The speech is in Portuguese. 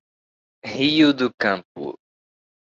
Rio do Campo